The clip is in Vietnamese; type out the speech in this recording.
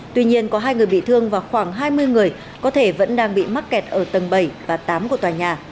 tuy nhiên có hai người bị thương và khoảng hai mươi người có thể vẫn đang bị mắc kẹt ở tầng bảy và tám của tòa nhà